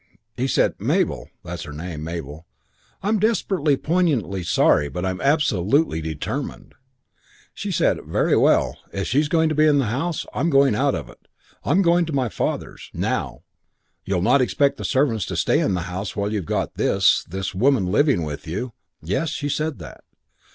"He said, 'Mabel' (that's her name) 'Mabel, I'm desperately, poignantly sorry, but I'm absolutely determined.' "She said, 'Very well. If she's going to be in the house, I'm going out of it. I'm going to my father's. Now. You'll not expect the servants to stay in the house while you've got this this woman living with you ' (Yes, she said that.)